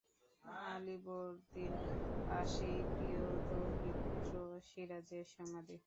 আলীবর্দীর পাশেই প্রিয় দৌহিত্র সিরাজের সমাধি।